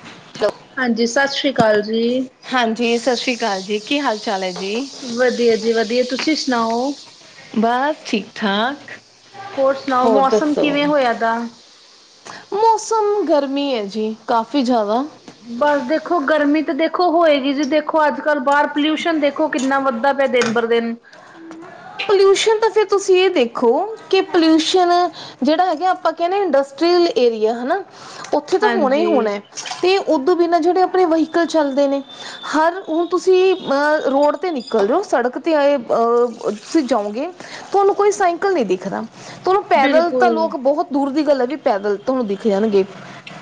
Hello. ਹਾਂਜੀ ਸਤਿ ਸ੍ਰੀ ਅਕਾਲ ਜੀ ਹਾਂਜੀ ਸਾਸ ਸ੍ਰੀ ਕਾਲ ਜੀ ਕੀ ਹਾਲ-ਚਾਲ ਐ ਜੀ? ਵਧੀਆ ਜੀ ਵਧੀਆ ਤੁਸੀ ਸੁਣਾਓ। ਬਸ ਠੀਕ-ਠਾਕ। ਹੋਰ ਸੁਣਾਓ ਮੌਸਮ ਕਿਵੇਂ ਹੋਯਾ ਦਾ। ਮੌਸਮ ਗਰਮੀ ਐ ਜੀ ਕਾਫੀ ਜਾਦਾ ਬਸ ਦੇਖੋ ਗਰਮੀ ਤਾਂ ਦੇਖੋ ਹੋਏਗੀ ਜੀ ਦੇਖੋ ਅੱਜ-ਕੱਲ ਬਾਰ ਪੋਲਿਊਸ਼ਨ ਦੇਖੋ ਦੇਖੋ ਕਿੰਨਾ ਵੱਧਦਾ ਪਿਆ ਦਿਨ ਪਰ ਦਿਨ ਪੋਲਿਊਸ਼ਨ ਤਾਂ ਫੇਰ ਤੁਸੀਂ ਏ ਦੇਖੋ ਕਿ ਪੋਲਿਊਸ਼ਨ ਜਿਹੜਾ ਹੈਗਾ ਆਪਾਂ ਕਹਿੰਦੇ ਇੰਡਸਟਰੀਅਲ ਏਰੀਆ ਹਨਾ ਉੱਥੇ ਤਾਂ ਹੋਣਾ ਹੀ ਹਾਂਜੀ ਹੋਣਾ ਏ। ਤੇ ਉਦੋਂ ਬਿਨਾਂ ਜਿਹੜੇ ਆਪਣੇ ਵਹੀਕਲ ਚੱਲਦੇ ਨੇ। ਹਰ ਹੁਣ ਤੁਸੀਂ ਅਹ ਰੋਡ ਤੇ ਨਿਕਲ ਜਾਓ ਸੜਕ ਤੇ ਆਏ ਅ ਤੁਸੀਂ ਜਾਂਓਗੇ ਤੁਹਾਨੂੰ ਕੋਈ ਸਾਈਕਲ ਨਹੀਂ ਦਿਖਦਾ। ਤੁਹਾਨੂੰ ਪੈਦਲ ਤਾਂ ਬਿਲਕੁਲ ਲੋਕ ਬਹੋਤ ਦੂਰ ਦੀ ਗੱਲ ਹੈ ਵੀ ਪੈਦਲ ਤੁਹਾਨੂੰ ਦਿਖ ਜਾਣਗੇ।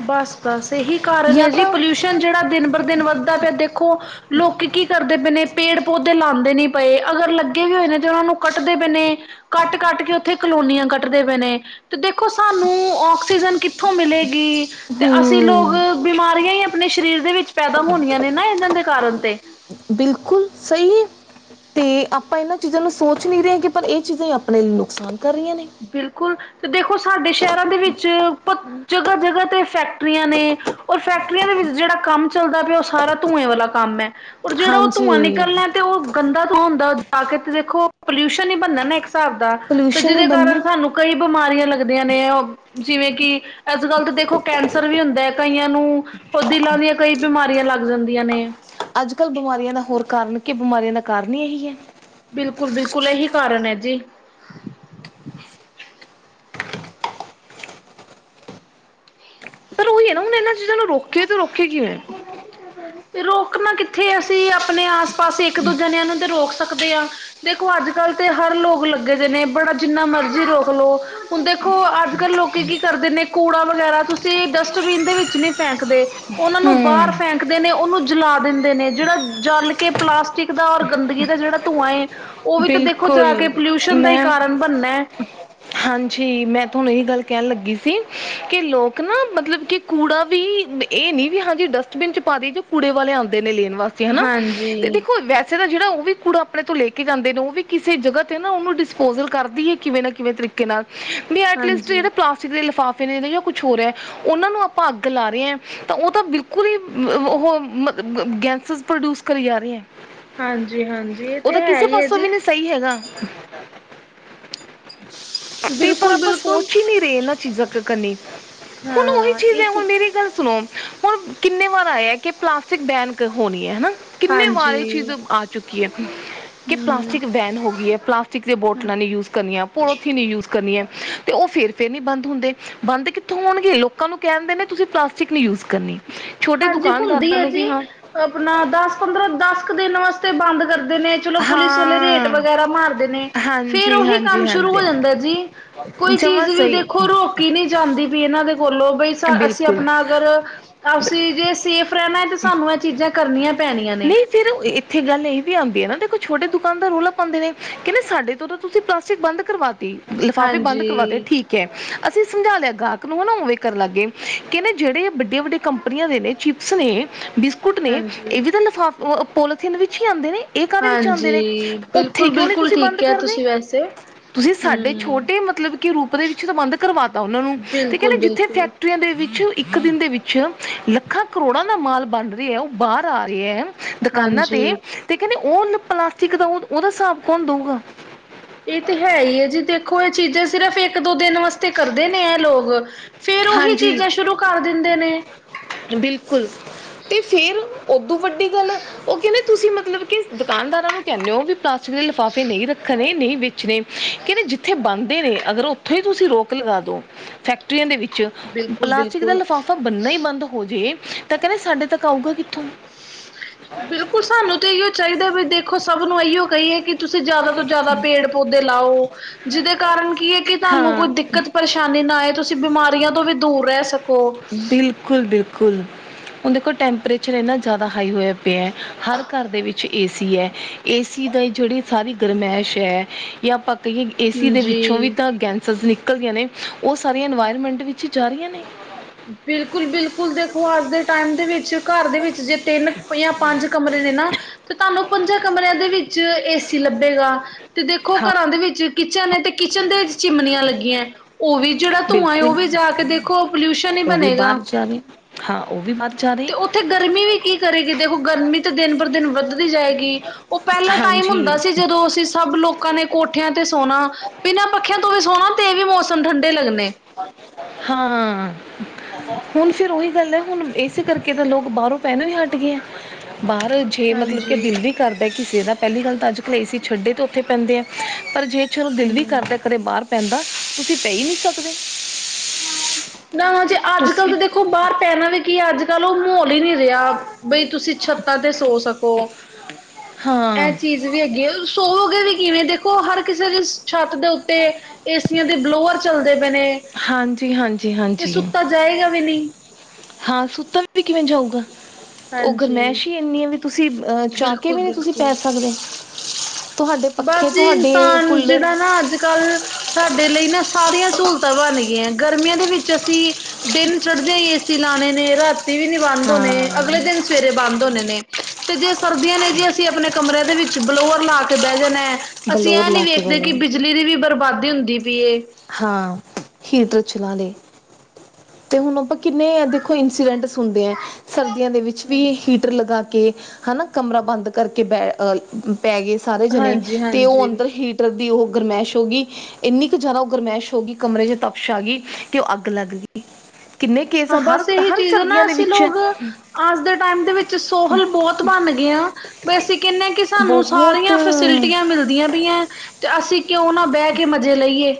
ਬਸ-ਬਸ ਇਹੀ ਕਾਰਨ ਹੈ ਜਾਂ ਜੀ ਤਾਂ ਪੋਲਿਊਸ਼ਨ ਜਿਹੜਾ ਦਿਨ ਬਰ ਦਿਨ ਵੱਧਦਾ ਪਿਆ ਦੇਖ- ਖੋ ਲੋਕੀ ਕੀ ਕਰਦੇ ਪਏ ਨੇ। ਪੇੜ- ਪੌਦੇ ਲਾਉਂਦੇ ਨੀ ਪਏ, ਅਗਰ ਲੱਗੇ ਵੀ ਹੋਏ ਨੇ ਤੇ ਉਹਨਾਂ ਨੂੰ ਕੱਟਦੇ ਪਏ ਨੇ। ਕੱਟ-ਕੱਟ ਕੇ ਉੱਥੇ ਕਲੋਨੀਆਂ ਕੱਟਦੇ ਪਏ ਨੇ। ਤੇ ਦੇਖੋ ਸਾਨੂੰ ਆਕਸੀਜਨ ਕਿੱਥੋਂ ਮਿਲੇਗੀ? ਤੇ ਅਸੀਂ ਲੋਕ ਹੂੰ ਬਿਮਾਰੀਆਂ ਹੀ ਆਪਣੇ ਸਰੀਰ ਦੇ ਵਿੱਚ ਪੈਦਾ ਹੋਣੀਆਂ ਨੇ ਨਾ ਇਹਨਾਂ ਦੇ ਕਾਰਨ ਤੇ। ਬਿਲਕੁਲ ਸਹੀ ਹੈ। ਤੇ ਆਪਾਂ ਇਹਨਾਂ ਚੀਜ਼ਾਂ ਨੂੰ ਸੋਚ ਨਹੀ ਰਹੇਗੇ ਪਰ ਇਹ ਚੀਜ਼ਾਂ ਹੀ ਆਪਣੇ ਲਈ ਨੁਕਸਾਨ ਕਰ ਰਹੀਆਂ ਨੇ। ਬਿਲਕੁਲ ਤੇ ਦੇਖੋ ਸਾਡੇ ਸ਼ਹਿਰਾਂ ਦੇ ਵਿੱਚ, ਜਗਾ-ਜਗਾ ਤੇ ਫੈਕਟਰੀਆਂ ਨੇ। ਔਰ ਫੈਕਟਰੀਆਂ ਦੇ ਵਿੱਚ ਜਿਹੜਾ ਕੰਮ ਚੱਲਦਾ ਪਿਆ। ਉਹ ਸਾਰਾ ਧੂੰਏ ਵਾਲਾ ਕੰਮ ਹੈ। ਔਰ ਜਿਹੜਾ ਉਹ ਹਾਂਜੀ ਧੂੰਆਂ ਨਿਕਲਣਾ। ਤੇ ਉਹ ਗੰਦਾ ਤੋਂ ਹੁੰਦਾ ਜਾ ਕੇ ਤੇ ਦੇਖੋ ਪੋਲਿਊਸ਼ਨ ਹੀ ਬਣਦਾ ਨਾ ਇੱਕ ਹਿਸਾਬ ਦਾ। ਤੇ ਪੋਲਿਊਸ਼ਨ ਹੀ ਜਿਹਦੇ ਬਣਨਾ ਕਾਰਨ ਏ। ਸਾਨੂੰ ਕਈ ਬਿਮਾਰੀਆਂ ਲੱਗਦੀਆਂ ਨੇ ਓ ਜਿਵੇਂ ਕਿ ਅੱਜ ਕੱਲ ਤਾਂ ਦੇਖੋ ਕੈਂਸਰ ਵੀ ਹੁੰਦਾ ਹੈ ਕਈਆਂ ਨੂੰ। ਉਹ ਦਿਲਾਂ ਦੀਆਂ ਕਈ ਬਿਮਾਰੀਆਂ ਲੱਗ ਜਾਂਦੀਆਂ ਨੇ। ਅੱਜ ਕੱਲ ਬਿਮਾਰੀਆਂ ਦਾ ਹੋਰ ਕਾਰਨ ਕੀ ਬਿਮਾਰੀਆਂ ਦਾ ਕਾਰਨ ਹੀ ਇਹੀ ਹੈ। ਬਿਲਕੁਲ-ਬਿਲਕੁਲ ਇਹੀ ਕਾਰਨ ਹੈ ਜੀ। ਓਹੀ ਹੈ ਨਾ ਹੁਣ ਇਹਨਾਂ ਚੀਜ਼ਾਂ ਨੂੰ ਰੋਕੇੇ ਤੇ ਰੋਕੇ ਕਿਵੇਂ? ਤੇ ਰੋਕਣਾ ਕਿੱਥੇ ਅਸੀਂ ਆਪਣੇ ਆਸ ਪਾਸ ਇੱਕ- ਦੋ ਜਣਿਆਂ ਨੂੰ ਤੇ ਰੋਕ ਸਕਦੇ ਹਾਂ। ਦੇਖੋ ਅੱਜ ਕੱਲ ਤੇ ਹਰ ਲੋਕ ਲੱਗੇ ਦੇ ਨੇ ਬੜਾ ਜਿੰਨਾ ਮਰਜ਼ੀ ਰੋਕ ਲਓ। ਹੁਣ ਦੇਖੋ ਅੱਜ ਕੱਲ ਲੋਕੀ ਕੀ ਕਰਦੇ ਨੇ ਕੂੜਾ ਵਗੈਰਾ ਤੁਸੀਂ ਡਸਟ ਬੀਨ ਦੇ ਵਿੱਚ ਨਹੀਂ ਫੇਕਦੇ। ਉਹਨਾਂ ਨੂੰ ਬਾਹਰ ਹਮ ਫੈਕ ਦੇ ਨੇ ਉਹਨੂੰ ਜਲਾ ਦਿੰਦੇ ਨੇ ਜਿਹੜਾ ਜਲ ਕੇ ਪਲਾਸਟਿਕ ਦਾ ਔਰ ਗੰਦਗੀ ਦਾ ਜਿਹੜਾ ਧੂੰਆਂ ਏ ਉਹ ਵੀ ਤਾਂ ਦੇਖੋ ਜਾ ਕੇ ਬਿਲਕੁਲ ਪੋਲਿਊਸ਼ਨ ਦਾ ਹੀ ਮੈਂ ਕਾਰਨ ਬਣਨਾ ਐ। ਹਾਂਜੀ ਮੈਂ ਤੁਹਾਨੂੰ ਇ ਗੱਲ ਕਹਿਣ ਲੱਗੀ ਸੀ, ਕਿ ਲੋਕ ਨਾ ਮਤਲਬ ਕਿ ਕੂੜਾ ਵੀ ਇਹ ਨੀ ਵੀ ਹਾਂਜੀ ਡਸਟਬਿਨ ਚ ਪਾ ਦੇ ਜੋ ਕੂੜੇ ਵਾਲੇ ਆਉਂਦੇ ਨੇ ਲੈਣ ਵਾਸ- ਤੇ ਹਨਾ ਤੇ ਹਾਂਜੀ, ਦੇਖੋ ਵੈਸੇ ਤਾਂ ਜਿਹੜਾ ਉਹ ਵੀ ਕੁੂੜਾ ਆਪਣੇ ਤੋਂ ਲੈ ਕੇ ਜਾਂਦੇ ਨੇ ਉਹ ਵੀ ਕਿਸੇ ਜਗਾ ਤੇ ਨਾ ਉਹਨੂੰ ਡਿਸਪੋਜਲ ਕਰਦੀ ਹੈ ਕਿਵੇਂ ਨਾ ਕਿਵੇਂ ਤਰੀਕੇ ਨਾਲ। ਹਾਂਜੀ, ਐਟਲੀਸਟਿਹੜੇ ਪਲਾਸਟਿਕ ਦੇ ਲਿਫਾਫੇ ਨੇ ਜਾਂ ਕੁਝ ਹੋਰ ਏ? ਉਹਨਾਂ ਨੂੰ ਆਪਾਂ ਅੱਗ ਲਾ ਰਹੇ ਤਾਂ ਉਹ ਤਾਂ ਬਿਲਕੁਲ ਹੀ ਉਹ ਗੈਸਸ ਪ੍ਰਦੂਸ- ਕਰੀ ਜਾ ਰਹੀ ਏ। ਹਾਂਜੀ- ਹਾਂਜੀ। ਤੇ ਹੈ ਕਿਸੇ ਹੀ ਹੈ ਪਾਸੋਂ ਵੀ ਜੀ। ਨਹੀਂ ਸਹੀ ਹੈਗਾ। ਤੇ ਪਰ ਬਿਲਕੁਲ, ਆਪਾਂ ਬਿਲਕੁਲ ਸੋਚ ਹੀ ਨਹੀ ਰਹੇ ਇਹਨਾਂ ਚੀਜ਼ਾਂ ਕ ਕਾਨੀ। ਹੁਣ ਉਹੀ ਹਾਂ ਚੀਜ਼ ਇਹ ਏ, ਤੇ ਹੁਣ ਮੇਰੀ ਗੱਲ ਸੁਣੋ? ਹੁਣ ਕਿੰਨੇ ਵਾਰ ਆਏ ਏ ਕਿ ਪਲਾਸਟਿਕ ਬੈਨ ਕਰ ਹੋਣੀ ਹੈ ਹਨਾ। ਕਿੰਨੇ ਵਾਰ ਇਹ ਚੀਜ਼ ਹਾਂਜੀ ਆ ਚੁੱਕੀ ਹੈ, ਕਿ ਹੂੰ ਪਲਾਸਟਿਕ ਵੈਨ ਹੋ ਗਈ ਹੈ ਪਲਾਸਟ ਸਟਿਕ ਦੀਆਂ ਬੋਟਲਾਂ ਨਹੀਂ ਯੂਜ ਕਰਨੀਆਂ, ਪੋਲੋਥੀਨ ਨਹੀਂ ਯੂਜ ਕਰਨੀਆਂ ਤੇ ਉਹ ਫੇਰ- ਫੇਰ ਨਹੀਂ ਬੰਦ ਹੁੰਦੈ। ਬੰਦ ਕਿੱਥੋਂ ਹੋਣਗੇ? ਲੋਕਾਂ ਨੂੰ ਕਹਿਣ ਦੇ ਨੇ ਤੁਸੀਂ ਪਲਾਸਟਿਕ ਨੀ ਯੂਜ ਕਰਨੀ। ਛੋਟੇ ਹਾਂਜੀ ਹੁੰਦੀ ਦੁਕਾਨਦਾਰਾਂ ਏ ਨੂੰ ਜੀ, ਵੀ ਹਾਂ ਆਪਣਾ ਦਸ ਪੰਦਰਾਂ ਦਸ ਕੁ ਦਿਨ ਵਾਸਤੇ ਕਰਦੇ ਨੇ। ਚਲੋ ਪੁਲਿਸ ਵਾਲੇ ਰੇਟ ਹਾਂ ਵਗੈਰਾ ਮਾਰਦੇ ਨੇ, ਫੇਰ ਹਾਂਜੀ ਉਹੀ ਹਾਂਜੀ ਕੰਮ ਸ਼ੁਰੂ ਹੋ ਹਾਂਜੀ ਜਾਂਦਾ ਜੀ। ਕੋਈ ਚੀਜ਼ ਜਮਾਂ ਵੀ ਸਹੀ ਦੇਖੋ ਰੋ ਕੀ ਨਹੀ ਜਾਂਦੀ ਵੀ, ਇਹਨਾਂ ਦੇ ਕੋਲੋਂ ਬਈ ਅਸੀਂ ਬਿਲਕੁਲ ਆਪਣਾ ਅਗਰ ਤੁਸੀਂ ਜੇ ਸੇਫ ਰਹਿਣਾ ਏ ਤੇ ਸਾਨੂੰ ਇਹ ਚੀਜ਼ਾਂ ਕਰਨੀਆ ਪੈਣੀਆ ਨੇ। ਨਹੀਂ ਫਿਰ ਇੱਥੇ ਗੱਲ ਇਹ ਵੀ ਆਦੀ ਏ ਨਾ ਦੇਖੋ ਛੋਟੇ ਦੁਕਾਨਦਾਰ ਰੌਲਾ ਪਾਦੇ ਨੇ ਕਹਿੰਦੇ ਸਾਡੇ ਤੋਂ ਤੁਸੀ ਪਲਾਸਟਿਕ ਬੰਦ ਕਰਵਾਤੀ ਲਿਫਾਫੇ ਬੰਦ ਕਰਵਾਤੇ ਹਾਂਜੀ ਠੀਕ ਏ, ਅਸੀਂ ਸਮਝਾ ਲਿਆ ਗਾਹਕ ਨੂੰ ਹਨਾ ਵੇ ਵੀ ਕਰਨ ਲਾਗੇ ਕਹਿੰਦੇ ਜਿਹੜੇ ਵੱਡੀਆਂ-ਵੱਡੀਆਂ ਕੰਪਨੀਆ ਦੇ ਨੇ ਚਿਪਸ ਨੇ ਬ ਕੁੁੱਟ ਨੇ ਹਾਂਜੀ ਇਹ ਵੀ ਤਾਂ ਲਿਫਾਫ ਪੋਲੀਥੀਨ ਵਿੱਚ ਹੀ ਆਦੇ ਨੇ। ਇਹ ਕਾਹਦੇ ਵਿੱਚ ਆਦੇ ਨੇ ਹਾਂਜੀ ਉੱਥੇ ਬਿਲਕੁਲ ਕਿਉਂ ਨੀ ਬਿਲਕੁਲ ਤੁਸੀਂ ਬੰਦ ਠੀਕ ਹੈ ਕਰਦੇ। ਤੁਸੀਂ ਵੈਸੇ ਤੁਸੀਂ ਸਾਡੇ ਹੂੰ ਛੋਟੇ ਮਤਲਬ ਕਿ ਰੂਪ ਦੇ ਵਿੱਚ ਬੰਦ ਕਰਵਾ ਤਾਂ ਉਹਨਾ ਨੂੰ ਤੇ ਕਹਿੰਦੇ ਬਿਲਕੁਲ ਜਿੱਥੇ ਬਿਲਕੁਲ ਫੈਕ ਫੈਕਟਰੀਆਂ ਦੇ ਵਿੱਚ ਇੱਕ ਦਿਨ ਦੇ ਵਿੱਚ ਲੱਖਾਂ ਕਰੋੜਾਂ ਦਾ ਮਾਲ ਬਣ ਰਿਹਾ ਏ, ਉਹ ਬਾਹਰ ਆ ਰਿਹਾ ਐ। ਦੁਕਾਨਾਂ ਤੇ, ਹਾਂਜੀ ਤੇ ਕਹਿੰਦੇ ਪਲਾਸਟਿਕ ਉਹ ਉਹਦਾ ਹਿਸਾਬ ਕੌਣ ਦਊਗਾ? ਇਹ ਤੇ ਹੈ ਹੀ ਹੈ ਜੀ ਦੇਖੋ ਇਹ ਚੀਜ਼ਾਂ ਸਿਰਫ ਇੱਕ ਦੋ ਦਿਨ ਵਾਸਤੇ ਤੇ ਕਰਦੇ ਇਹ ਲੋਕ, ਫੇਰ ਉਹੀ ਹਾਂਜੀ ਚੀਜ਼ਾਂ ਸ਼ੁਰੂ ਕਰ ਦਿੰਦੇ ਨੇ। ਬਿਲਕੁਲ, ਤੇ ਫੇਰ ਉਦੋਂ ਵੱਡੀ ਗੱਲ ਉਹ ਕਹਿੰਦੇ ਤੁਸੀਂ ਮਤਲਬ ਕਿ ਦੁਕਾਨਦਾਰਾਂ ਨੂੰ ਕਹਿਨੇ ਹੋ ਵੀ, ਪਲਾਸਟਿਕ ਦੇ ਲਿਫਾਫੇ ਨਹੀਂ ਰੱਖਣੇ, ਨਹੀਂ ਵੇਚਣੇ। ਕਹਿੰਦੇ ਜਿੱਥੇ ਬਣਦੇ ਨੇ ਅਗਰ ਉੱਥੇ ਹੀ ਤੁਸੀਂ ਰੋਕ ਲਗਾ ਦੋ ਫੈਕਟਰੀਆਂ ਦੇ ਵਿੱਚ, ਬਿਲਕੁਲ ਪਲਾਸਟਿਕ ਦਾ ਬਿਲਕੁਲ ਲਿਫਾਫਾ ਬੰਨਣਾ ਹੀ ਬੰਦ ਹੋ ਜੇ ਤਾਂ ਕਹਿੰਦੇ ਸਾਡੇ ਤੱਕ ਆਊਗਾ ਕਿੱਥੋਂ? ਬਿਲਕੁਲ ਸਾਨੂੰ ਤਾਂ ਇਉ ਚਾਹੀਦਾ ਵੀ ਦੇਖੋ ਸਭ ਨੂੰ ਇਹੀਓ ਕਹੀਏ ਕਿ, ਤੁਸੀ ਜ਼ਿਆਦਾ ਤੋਂ ਜ਼ਿਆਦਾ ਪੇੜ-ਪੌਦੇ ਲਾਓ, ਜਿਹਦੇ ਕਾਰਨ ਕੀ ਹੈ ਕਿ ਤੁਹਾਨੂੰ ਕੋਈ ਹਾਂ ਦਿ ਦਿੱਕਤ ਪਰੇਸ਼ਾਨੀ ਨਾ ਆਏ, ਤੁਸੀ ਬਿਮਾਰੀਆਂ ਤੋਂ ਵੀ ਦੂਰ ਰਹਿ ਸਕ ਬਿਲਕੁਲ-ਬਿਲਕੁਲ। ਹੁਣ ਦੇਖੋ, ਟੈਂਪਰੇਚਰ ਇੰਨਾ ਜ਼ਿਆਦਾ ਹਾਈ ਹੋਇਆ ਪਿਆ ਹਰ ਘਰ ਦੇ ਵਿੱਚ ਏ ਸੀ ਐ। ਏ ਸੀ ਦਾ ਜਿਹੜੀ ਸਾਰੀ ਗਰਮੈਸ਼ ਹੈ ਜਾ ਆ ਕਈਏ ਏ ਸੀ ਦੇ ਵਿੱਚੋਂ ਵੀ ਜੀ ਤਾਂ ਗੈਂਸਸ ਨਿਕਲਦੀਆ ਨੇ, ਉਹ ਸਾਰੀਆਂ ਇਨਵਾਇਰਮੈਂਟ ਵਿੱਚ ਜਾ ਰਹੀਆ ਨੇ। ਬਿਲਕੁਲ-ਬਿਲਕੁਲ ਦੇਖੋ ਅੱਜ ਦੇ ਟਾਈਮ ਦੇ ਵਿੱਚ ਘਰ ਦੇ ਵਿੱਚ ਜੇ ਤਿੰਨ ਜਾ ਪੰਜ ਕਮਰੇ ਨੇ ਨਾ। ਤੇ ਤੁਹਾਨੂੰ, ਪੰਜਾਂ ਕਮਰਿਆਂ ਦੇ ਵਿੱਚ ਏਸੀ ਲੱਭੇਗਾ ਤੇ ਦੇਖੋ ਹਾਂ ਘਰਾਂ ਦੇ ਵਿੱਚ ਕਿਚਨ ਤੇ ਕਿਚਨ ਦੇ ਚਿਮਨੀਆਂ ਲੱਗੀਆ, ਉਹ ਵੀ ਜਿਹੜਾ ਧੂੰਆਂ ਉਹ ਬਿਲਕੁਲ ਵੀ ਜਾ ਕੇ ਦੇਖੋ, ਪੋਲਿਊਸ਼ਨ ਹੀ ਉਹ ਵੀ ਬਣੇਗਾ ਬਾਹਰ ਜਾ ਰਿਆ, ਹਾਂ ਉਹ ਵੀ ਬਾਹਰ ਜਾ ਰਹੇ। ਤੇ ਗਰਮੀ ਵੀ ਕੀ ਕਰੇਗੀ ਦੇਖੋ ਗਰਮੀ ਤਾਂ ਦਿਨ ਪਰ ਦਿਨ ਵੱਧ ਦੀ ਜਾਏਗੀ ਉਹ ਪਹਿਲਾ ਟਾਈਮ ਹਾਂਜੀ ਹੁੰਦਾ ਸੀ, ਜਦੋਂ ਅਸੀਂ ਸਭ ਲੋਕਾਂ ਨੇ ਕੋਠਿਆਂ ਤੇ ਸੋਣਾ। ਬਿਨਾਂ ਪੱਖਿਆਂ ਤੋਂ ਵੀ ਸੋਹਣਾ ਤੇ ਵੀ ਮੌਸਮ ਠੰਡੇ ਲੱਗਣੇ। ਹਾਂ, ਹੁਣ ਫਿਰ ਉਹੀ ਗੱਲ ਹੈ ਹੁਣ ਏ ਸੀ ਕਰਕੇ, ਕਿ ਤਾਂ ਲੋਕ ਬਾਹਰੋ ਪਹਿਨ ਵੀ ਹੱਟ ਗਏ ਆ, ਬਾਹਰ ਜੇ ਮਤਲਬ ਕਿ ਹਾਂਜੀ ਬਿਲਡਿੰਗ ਕਰਦਾ ਕਿਸੇ ਦਾ ਪਹਿਲੀ ਗੱਲ ਤਾਂ ਅੱਜ-ਕੱਲ ਏ ਸੀ ਛੱਡੇ ਤੋਂ ਉੱਥੇ ਪੈਂਦੇ ਆ ਪਰ ਜੇ ਚਲੋ ਦਿਲ ਵੀ ਹੂੰ ਕਰਦਾ ਕਦੇ ਬਾਹਰ ਪੈਂਣ ਦਾ ਤੁਸੀਂ ਪੈ ਹੀ ਨਹੀਂ ਸਕਦੇ। ਨਾ ਜੇ ਅੱਜ ਕੱਲ ਤੁਸੀਂ, ਤਾਂ ਦੇਖੋ ਬਾਹਰ ਪੈਣਾ ਵੀ ਕੀ ਅੱਜ-ਕੱਲ ਉਹ ਮਾਹੌਲ ਹੀ ਨਹੀ ਰਿਹਾ। ਬਈ ਤੁਸੀਂ ਛੱਤਾਂ ਤੇ ਸੋ ਸਕੋ, ਹਾਂ ਇਹ ਚੀਜ਼ ਵੀ ਹੈਗੇ ਸੋਵੇਗੇ ਵੀ ਕਿਵੇਂ ਦੇਖੋ ਹਰ ਕਿਸੇ ਦੀ ਛੱਤ ਦੇ ਉੱਤੇ ਏਸੀਆਂ ਦੇ ਬਲੋਅਰ ਚੱਲਦੇ ਪਏ ਨੇ। ਹਾਂਜੀ-ਹਾਂਜ ਤੇ ਸੁੱਤਾ ਜਾਏਗਾ ਵੀ ਨਈਂ ਹਾਂ ਸੁੱਤਾ ਵੀ ਕਿਵੇਂ ਜਾਊਗਾ, ਓ ਹਾਂਜੀ ਗਰਮੈਸ਼ ਈ ਏਨੀ ਆ ਵੀ ਤੁਸੀਂ ਅਹ ਚਾਕੇ ਬਿਲਕੁਲ ਵੀ ਨੀ ਤੁਸੀਂ ਪੈ ਬਿਲਕੁਲ ਸਕਦੇ। ਤੁਹਾਡੇ ਬਸ ਪੱਖੇ ਜੀ ਤੁਹਾਡੇ ਇਨਸਾਨ ਕੂਲਰ ਜੇੜਾ ਨਾ ਅੱਜ-ਕੱਲ ਸਾਡੇ ਲਈ ਨਾ ਸਾਰੀਆਂ ਸਹੂਲਤਾਂ ਬਨ ਗਈਆਂ ਗਰਮੀਆਂ ਦੇ ਵਿੱਚ ਅਸੀਂ ਦਿਨ ਚੜਦੇ ਈ ਏਸੀ ਲਾਨੇ ਨੇ ਰਾਤੀ ਵੀ ਨੀ ਬੰਦ ਹੋਨੇ ਹਾਂ ਅਗਲੇ ਦਿਨ ਸਵੇਰੇ ਬੰਦ ਹੋਨੇ ਨੇ, ਤੇ ਜੇ ਸਰਦੀਆਂ ਨੇ ਜੀ ਅਸੀਂ ਆਪਨੇ ਕਮਰੇ ਦੇ ਵਿੱਚ ਬਲੋਅਰ ਲਾ ਕੇ ਬੈ ਜਾਨਾ, ਅਸੀਂ ਬਲੋਰ ਐ ਨੀ ਲਾ ਵੇਖਦੇ ਕੇ ਬਲੋ ਬਿਜਲੀ ਦੀ ਵੀ ਬਰਬਾਦੀ ਹੁੰਦੀ ਪਈ ਏ। ਹਾਂ, ਹੀਟਰ ਚਲਾ ਲੇ। ਤੇ ਹੁਨ ਆਪਾਂ ਕਿੰਨੇ ਦੇਖੋ ਇੰਸੀਡੈਂਟਸ ਸੁਨਦੇ ਆ ਸਰਦੀਆਂ ਦੇ ਵਿੱਚ ਵਿੱਚ ਵੀ ਹਾਂਜੀ ਹੀਟਰ ਲਗਾ ਕੇ ਹਨਾ ਕਮਰਾ ਬੰਦ ਕਰਕੇ ਬੈ ਅ ਅ ਪੈ ਗਏ ਸਾਰੇ ਜਨੇ ਹਾਂਜੀ ਤੇ ਓ ਹਾਂਜੀ ਅੰਦਰ ਹੀਟਰ ਦੀ ਓ ਗਰਮੈਸ਼ ਹੋ ਗਈ, ਇੰਨੀ ਕੁ ਜਾਦਾ ਗਰਮੈਸ਼ ਹੋ ਗਈ ਕਮਰੇ ਚ ਤਪਸ਼ ਆਗੀ ਤੇ ਓ ਅੱਗ ਲੱਗ ਗਈ। ਕਿੰਨੇ ਕੇਸ ਹਾਂ ਹਰ ਬਸ ਏਹੀ ਹਰ ਚੀਜ਼ ਐ ਨਾ ਸਰਦੀਆਂ ਦੇ ਅਸੀਂ ਵਿੱਚ ਹੈ। ਲੋਕ, ਅੱਜ ਦੇ ਟਾਈਮ ਦੇ ਵਿੱਚ ਸੋਹਲ ਬਹੋਤ ਬਨ ਗਏ ਆਂ। ਵੈਸੇ ਕੈਨੇ ਆਂ ਕੇ ਸਾਨੂੰ ਸਾਰੀਆਂ ਬਹੁਤ ਫਸੀਲਟੀਆਂ ਮਿਲਦੀਆਂ ਪਈਆਂ। ਤੇ ਅਸੀਂ ਕਿਓਂ ਨਾ ਬੈ ਕੇ ਮਜ਼ੇ ਲਈਏ।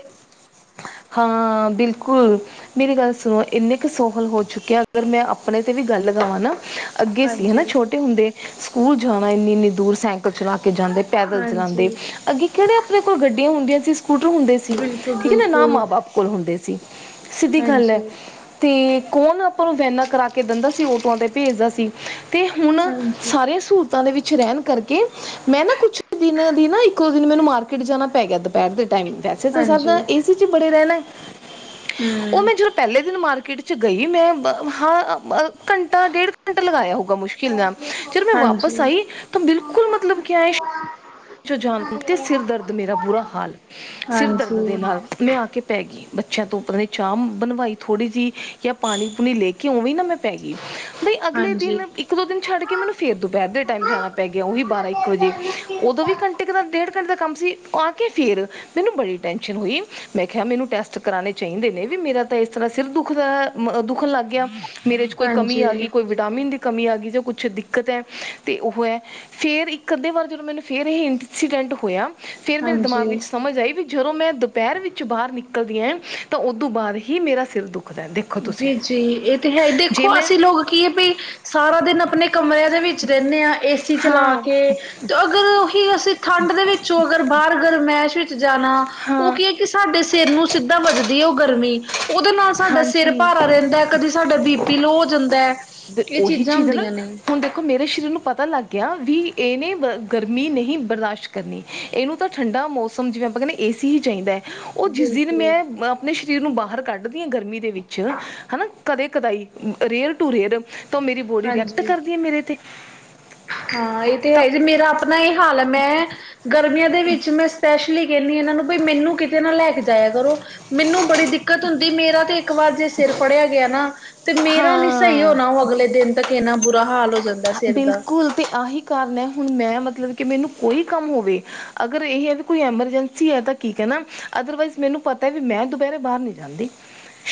ਹਾਂ ਬਿਲਕੁਲ ਮੇਰੀ ਗੱਲ ਸੁਨੋ ਇੰਨੇ ਕੁ ਸੋਹਲ ਹੋ ਚੁੱਕੇ ਆਂ ਅਗਰ ਮੈਂ ਆਪਨੇ ਤੇ ਵੀ ਗੱਲ ਲਗਾਵਾਂ ਨਾ ਅੱਗੇ ਸੀ ਹਨਾ ਹਾਂਜੀ ਛੋਟੇ ਹੁੰਦੇ ਸਕੂਲ ਜਾਨਾ ਏਨੀ-ਏਨੀ ਦੂਰ ਸਾਈਕਲ ਚਲਾ ਕੇ ਜਾਂਦੇ। ਪੈਦਲ ਚਲਾਂਦੇ ਹਾਂਜੀ ਅੱਗੇ ਕੇੜੇ ਆਪਨੇ ਕੋਲ ਗੱਡੀਆਂ ਹੁੰਦੀਆਂ ਸੀ ਸਕੂਟਰ ਹੁੰਦੇ ਸੀ। ਬਿਲਕੁਲ ਠੀਕ ਐ ਨਾ-ਨਾ ਬਿਲਕੁਲ ਮਾਂ ਬਾਪ ਕੋਲ ਹੁੰਦੇ ਸੀ, ਸਿੱਧੀ ਗੱਲ ਐ। ਹਾਂਜੀ ਤੇ ਕੌਨ ਆਪਾਂ ਨੂੰ ਵੈਨਾਂ ਕਰਾ ਕੇ ਦਿੰਦਾ ਸੀ ਆਟੋਆਂ ਤੇ ਭੇਜਦਾ ਸੀ। ਤੇ ਹੁਨ ਹਾਂਜੀ ਸਾਰੀਆਂ ਸਹੂਲਤਾਂ ਦੇ ਵਿੱਚ ਰੈਨ ਕਰਕੇ ਮੈਂ ਨਾ ਕੁਛ ਦਿਨਾਂ ਦੀ ਨਾ ਇੱਕੋ ਦਿਨ ਮੈਨੂੰ ਮਾਰਕੀਟ ਜਾਨਾ ਪੈ ਗਿਆ ਦੁਪੈਰ ਦੇ ਟੈਮ ਵੈ ਜੇ ਥੋਨੂੰ ਸਰਦਾ ਹਾਂਜੀ ਏਸੀ ਚੀ ਬੜੇ ਰੈਨਾ, ਓ ਹਮ ਮੈਂ ਜ ਪੈਲੇ ਦਿਨ ਮਾਰਕੀਟ ਚ ਗਈ ਮੈਂ ਹਾਂ ਘੰਟਾ ਡੇਢ ਘੰਟਾ ਲਗਾਏਆ ਹੋਊਗਾ ਮੁਸ਼ ਕਿਲ ਨਾਲ ਜਦ ਮੈਂ ਵਾਪਸ ਹਾਂਜੀ ਆਈ ਤਾਂ ਬਿਲਕੁਲ ਮਤਲਬ ਕਿਆ ਏ ਜਾਨ ਤੇ ਸਿਰ ਦਰਦ ਮੇਰਾ ਬੁਰਾ ਹਾਲ, ਸਿਰ ਦਰਦ ਦੇ ਹਾਂਜੀ ਨਾਲ ਮੈਂ ਆ ਕੇ ਪੈ ਗੀ। ਬੱਚੇਆਂ ਤੋਂ ਉੱਪਰ ਦੀ ਚਾ ਬਨਵਾਈ ਥੋੜੀ ਜੀ ਜਾਂ ਪਾਨੀ-ਪੂਨੀ ਲੈ ਕੇ ਉਵੇਂ ਮੈਂ ਪੈ ਗੀ। ਬਈ ਅਗਲੇ ਹਾਂਜੀ ਦਿਨ ਇੱਕ ਦੋ ਦਿਨ ਛੱਡ ਕੇ ਮੈਨੂੰ ਫੇਰ ਦੁਪੈਰ ਦੇ ਟੈਮ ਜਾਨਾ ਪੈ ਗਿਆ ਓਹੀ ਬਾਰਾਂ ਇੱਕ ਵਜੇ ਓਵੀ ਘੰਟੇ ਕ ਡੇਢ ਘੰਟੇ ਦਾ ਕੰਮ ਸੀ ਆ ਕੇ ਫੇਰ ਮੈਨੂੰ ਬੜੀ ਟੈਂਨਸ਼ਨ ਹੋਈ। ਮੈਂ ਕਿਆ ਮੈਨੂੰ ਟੈਸਟ ਕਰਾਨੇ ਚਾਈਦੇ ਨੇ ਵੀ ਮੇਰਾ ਤਾਂ ਇਸ ਤਰ੍ਹਾਂ ਸਿਰ ਦੁੱਖਨ ਦਾ ਦੁੱਖਨ ਲਾਗੇਆ। ਮੇਰੇ ਚ ਕੋਈ ਕਮੀ ਆਗੀ ਹਾਂਜੀ ਕੋਈ ਵਿ ਵਿਟਾਮਿਨ ਦੀ ਕਮੀ ਆਗੀ ਜਾਂ ਕੁਛ ਦਿੱਕਤ ਐ ਤੇ ਓਹੋ ਐ ਫੇਰ ਇੱਕ ਅੱਧੇ ਵਾਰ ਜਦੋਂ ਮੈਨੂੰ ਫੇਰ ਏਹੇ ਇੰਸੀਡੈਂਟ ਹੋਇਆ ਫੇਰ ਮੇਰੇ ਦਮਾਗ ਵਿੱਚ ਹਾਂਜੀ ਸਮਝ ਆਈ ਵੀ ਜਦੋਂ ਮੈਂ ਦੁਪੈਰ ਵਿੱਚ ਬਾਰ ਨਿਕਲਦੀ ਐਂ ਤਾਂ ਉਦੂੰ ਬਾਦ ਹੀ ਮੇਰਾ ਸਿਰ ਦੁਖਦਾ ਤੇ। ਜੀ-ਜੀ ਏ ਤੇ ਹੈ ਦੇਖੋ ਅਸੀਂ ਲੋਕ ਕੀ ਐ ਬਈ ਸਾਰਾ ਦਿਨ ਆਪਨੇ ਕਮਰਿਆਂ ਦੇ ਵਿੱਚ ਰੈਂਨੇ ਆਂ ਏਸੀ ਚਲਾ ਹਾਂ ਕੇ ਤੇ ਅਗਰ ਓਹੀ ਅਸੀਂ ਠੰਡ ਦੇ ਵਿੱਚੋਂ ਅਗਰ ਬਾਰ ਗਰਮੈਸ਼ ਵਿੱਚ ਜਾਨਾ ਓ ਹਾਂ ਕੀ ਕੀ ਸਾਡੇ ਸਿਰ ਨੂੰ ਸਿੱਧਾ ਵਜਦੀ ਐ ਓ ਗਰਮੀ, ਓਦੇ ਨਾਲ ਸਾਡਾ ਹਾਂਜੀ ਖਾ ਰੈਂਦਾ ਕਦੀ ਸਾਡਾ ਬੀ ਪੀ ਲੋਅ ਹੋ ਜਾਂਦਾ। ਫਿਰ ਇਹ ਓਹੀ ਚੀਜ਼ਾਂ ਚੀਜ਼ ਐ ਨਾ ਹੁੰਦੀਆਂ ਨੇ ਹੁਨ ਦੇ ਦੇਖੋ ਮੇਰੇ ਸਰੀਰ ਨੂੰ ਪਤਾ ਲਾਗੇਆ ਵੀ ਏਨੇ ਗਰਮੀ ਨਹੀਂ ਬਰਦਾਸ਼ਤ ਕਰਨੀ। ਏਨੂੰ ਤਾਂ ਠੰਡਾ ਮੌਸਮ ਜਿਵੇਂ ਆਪਾਂ ਕੈਨੇ ਆਂ ਏਸੀ ਹੀ ਚਾਈਂਦਾ ਓ ਜਿਸ ਦਿਨ ਬਿਲਕੁਲ ਮੈਂ ਆਪਣੇ ਸਰੀਰ ਨੂੰ ਬਾਹਰ ਕੱਢਦੀ ਆ ਗਰਮੀ ਦੇ ਵਿੱਚ ਹਨਾ ਕਦੇ-ਕਦੇ ਰੇਅਰ-ਟੂ-ਰੇਅਰ ਤਾਂ ਮੇਰੀ ਬੋਡੀ ਰਿਐਕਟ ਹਾਂਜੀ ਕਰਦੀਏ ਮੇਰੇ ਤੇ। ਹਾਂ ਇਹ ਤੇ ਤਾਂ ਹੈ ਜੇ ਮੇਰਾ ਆਪਣਾ ਇਹ ਹਾਲ ਹੈ ਮੈਂ ਗਰਮੀਆਂ ਦੇ ਵਿੱਚ ਮੈਂ ਸ਼ੈਸ ਕਹਿੰਦੀ ਇਹਨਾਂ ਨੂੰ ਵੀ ਮੈਨੂੰ ਕਿਤੇ ਨਾ ਲੈ ਕੇ ਜਾਇਆ ਕਰੋ। ਮੈਨੂੰ ਬੜੀ ਦਿੱਕਤ ਹੁੰਦੀ ਮੇਰਾ ਤੇ ਇੱਕ ਵਾਰ ਜੇ ਸਿਰ ਫੜਿਆ ਗਿਆ ਨਾ ਤੇ ਮੇਰਾ ਨੀ ਸਹੀ ਹਾਂ ਹੋਣਾ ਉਹ ਅਗਲੇ ਦਿਨ ਤੱਕ ਇੰਨਾ ਬੁਰਾ ਹਾਲ ਹੋ ਜਾਂਦਾ। ਸਿਰ ਦਾ ਬਿਲਕੁਲ ਤੇ ਆਹੀ ਕਾਰਨ ਹੈ ਹੁਣ ਮੈਂ ਮਤਲਬ ਕਿ ਮੈਨੂੰ ਕੋਈ ਕੰਮ ਹੋਵੇ ਅਗਰ ਇਹ ਹੈ ਵੀ ਕੋਈ ਐਮਰਜੈਂਸੀ ਹੈ ਤਾਂ ਕੀ ਕਹਿਣਾ ਅਦਰਵਾਈਜ਼ ਮੈਨੂੰ ਪਤਾ ਵੀ ਮੈਂ ਦੁਪਹਿਰੇ ਬਾਹਰ ਨੀ ਜਾਂਦੀ।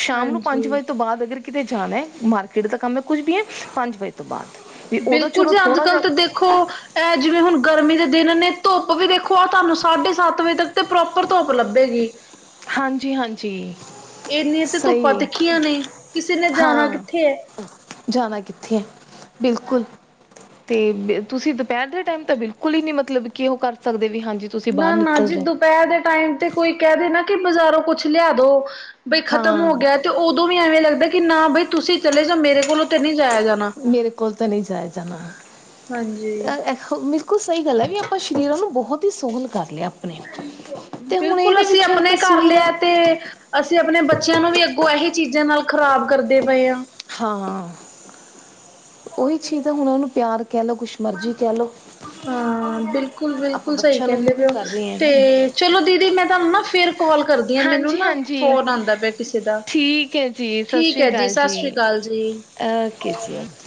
ਸ਼ਾਮ ਨੂੰ ਪੰਜ ਹਾਂਜੀ ਵਜੇ ਤੋਂ ਬਾਅਦ ਅਗਰ ਕਿਤੇ ਜਾਣਾ ਮਾਰਕੀਟ ਦਾ ਕੰਮ ਹੈ ਕੁਝ ਵੀ ਹੈ ਪੰਜ ਵਜੇ ਤੋਂ ਬਾਅਦ ਵੀ ਉਦੋਂ ਬਿਲਕੁਲ ਚਲੋ ਜੀ ਅੱਜ ਥੋੜ੍ਹਾ ਕੱਲ ਜਿਹਾ ਤਾਂ ਦੇਖ ਦੇਖੋ ਇਹ ਜਿਵੇਂ ਹੁਣ ਗਰਮੀ ਦੇ ਦਿਨ ਨੇ ਧੁੱਪ ਵੀ ਦੇਖੋ, ਆਹ ਤੁਹਾਨੂੰ ਸਾਢੇ ਸੱਤ ਵਜੇ ਤੱਕ ਤੇ ਪ੍ਰੋਪਰ ਧੁੱਪ ਲੱਭੇਗੀ। ਹਾਂਜੀ-ਹਾਂਜੀ। ਇੰਨੀਆਂ ਤੇ ਧੁੱਪਾਂ ਸਹੀ ਤਿੱਖੀਆਂ ਨੇ ਕਿਸੇ ਨੇ ਜਾਣਾ ਹਾਂ। ਕਿੱਥੇ ਹੈ ਜਾਣਾ ਕਿੱਥੇ ਹੈ ਬਿਲਕੁਲ ਤੇ ਤੁਸੀਂ ਦੁਪਹਿਰ ਦੇ ਟਾਈਮ ਤਾਂ ਬਿਲਕੁਲ ਹੀ ਨੀ ਮਤਲਬ ਕਿ ਉਹ ਕਰ ਸਕਦੇ ਵੀ ਹਾਂਜੀ। ਤੁਸੀਂ ਬਾਹਰ ਨਾ-ਨਾ ਨਿਕਲ ਜੀ ਜਾਓ ਦੁਪਹਿਰ ਟਾਈਮ ਤੇ ਕੋਈ ਕਹਿ ਦੇ ਨਾ ਕਿ ਬਾਜ਼ਾਰੋਂ ਕੁਛ ਲਿਆ ਦੋ ਬਈ ਖਤਮ ਹੋ ਹਾਂ ਗਿਆ ਤੇ ਉਦੋਂ ਵੀ ਐਵੇਂ ਲੱਗਦਾ ਕਿ ਨਾ ਬਈ ਤੁਸੀਂ ਚਲੇ ਜਾ ਮੇਰੇ ਕੋਲੋਂ ਤੇ ਨਹੀ ਜਾਇਆ ਜਾਣਾ। ਮੇਰੇ ਕੋਲ ਤਾਂ ਨਹੀਂ ਜਾਏ ਜਾਣਾ। ਹਾਂਜੀ, ਬਿਲਕੁਲ ਸਹੀ ਗੱਲ ਹੈ ਵੀ ਆਪਾਂ ਸਰੀਰਾਂ ਨੂੰ ਬਹੁਤ ਹੀ ਸੋਹਲ ਕਰ ਲਿਆ ਆਪਾਂ ਬਿਲਕੁਲ ਅਸੀਂ ਆਪਣੇ ਕਰ ਕਸੂਰ ਲਿਆ ਤੇ ਤੇ ਆਪਣੇ ਬੱਚਿਆਂ ਨੂੰ ਵੀ ਅੱਗੋਂ ਇਹੀ ਚੀਜ਼ਾਂ ਨਾਲ ਖ਼ਰਾਬ ਪਏ ਹਾਂ। ਹਾਂ ਉਹੀ ਚੀਜ਼ ਦਾ ਹੁਣ ਉਹਨ ਨੂੰ ਪਿਆਰ ਕਹਿ ਲਓ ਕੁਛ ਮਰਜ਼ੀ ਕਹਿ ਲਓ ਹਾਂ ਆਪਾਂ ਬਿਲਕੁਲ-ਬਿਲਕੁਲ ਸਹੀ ਬੱਚਿਆਂ ਨੂੰ ਵੀ ਕਹਿੰਦੇ ਉਹੀ ਪਓ ਕਰ ਰਹੇ ਤੇ ਹਾਂ ਚਲੋ ਦੀਦੀ ਮੈਂ ਤਾਂ ਨਾ ਫਿਰ ਕਾਲ ਕਰਦੀ ਹ, ਮੈਨੂੰ ਹਾਂਜੀ ਨਾ ਹਾਂਜੀ ਫੋਨ ਪਿਆ ਕਿਸੇ ਦਾ ਠੀਕ ਹੈ ਜੀ ਸਤਿ ਠੀਕ ਸ਼੍ਰੀ ਹੈ ਜੀ ਅਕਾਲ ਸਤਿ ਸ੍ਰੀ ਅਕਾਲ ਜੀ। ਓਕੇ ਜੀ, ਓਕੇ।